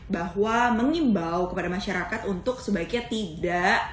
bahwa mengimbau kepada masyarakat untuk sebaiknya tidak